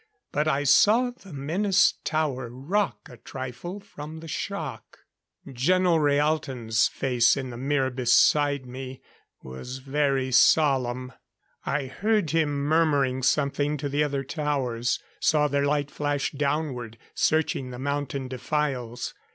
But I saw the menaced tower rock a trifle from the shock. Geno Rhaalton's face in the mirror beside me was very solemn. I heard him murmuring something to the other towers, saw their light flash downward, searching the mountain defiles.